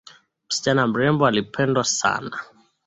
Mshichana mrembo anapendwa sana